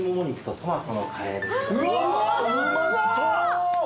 うまそう！